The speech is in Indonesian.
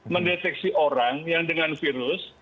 mendeteksi orang yang dengan virus